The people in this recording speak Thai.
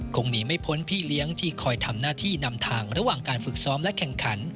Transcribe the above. หนีไม่พ้นพี่เลี้ยงที่คอยทำหน้าที่นำทางระหว่างการฝึกซ้อมและแข่งขัน